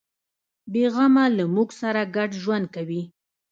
بیغمه له موږ سره ګډ ژوند کوي.